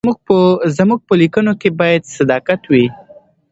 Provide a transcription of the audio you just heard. زموږ په لیکنو کې باید صداقت وي.